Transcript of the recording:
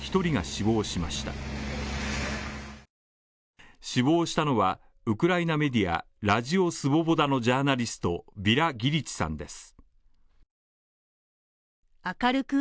死亡したのは、ウクライナメディアラジオ・スヴォボダのジャーナリストヴィラ・ギリチさんです